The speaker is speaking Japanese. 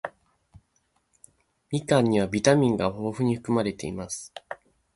みかんにはビタミンが豊富に含まれています。